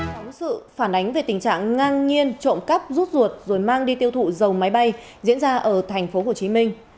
có sự phản ánh về tình trạng ngang nhiên trộm cắp rút ruột rồi mang đi tiêu thụ dầu máy bay diễn ra ở tp hcm